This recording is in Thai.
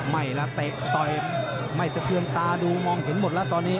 ละเตะต่อยไม่สะเทือนตาดูมองเห็นหมดแล้วตอนนี้